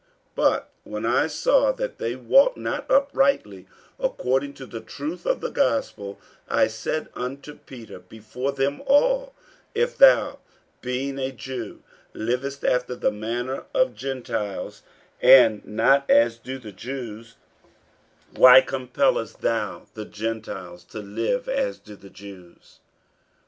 48:002:014 But when I saw that they walked not uprightly according to the truth of the gospel, I said unto Peter before them all, If thou, being a Jew, livest after the manner of Gentiles, and not as do the Jews, why compellest thou the Gentiles to live as do the Jews?